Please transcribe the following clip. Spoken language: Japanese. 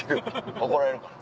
怒られるかな？